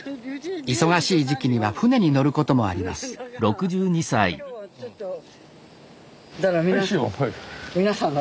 忙しい時期には船に乗ることもありますだから皆さん。